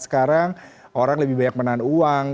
sekarang orang lebih banyak menahan uang